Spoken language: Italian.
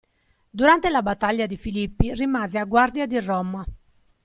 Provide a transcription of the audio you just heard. Durante la battaglia di Filippi rimase a guardia di Roma.